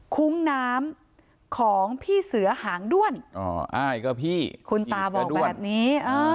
คุ้งน้ำของพี่เสือหางด้วนอ๋ออ้ายก็พี่คุณตาบอกแบบนี้